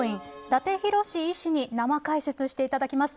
伊達洋至医師に生解説していただきます。